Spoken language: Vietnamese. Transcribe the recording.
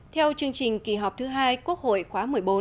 theo chương trình kỳ họp thứ hai quốc hội khóa một mươi bốn